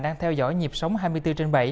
đang theo dõi nhịp sống hai mươi bốn trên bảy